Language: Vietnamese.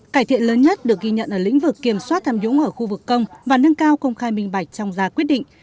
cải thiện lớn nhất được ghi nhận ở lĩnh vực kiểm soát tham nhũng ở khu vực công và nâng cao công khai minh bạch trong gia quyết định